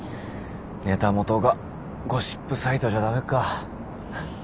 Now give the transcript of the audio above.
ネタ元がゴシップサイトじゃ駄目か。